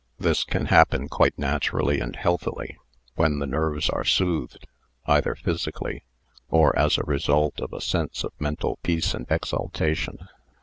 This can happen quite naturally and healthily when the nerves are soothed, either physically or as a result of a sense of mental peace and exaltation.